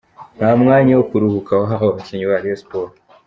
Nta mwanya wo kuruhuka wahawe abakinnyi ba Rayon Sports.